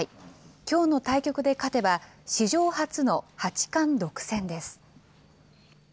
きょうの対局で勝てば、史上初の八冠独占です。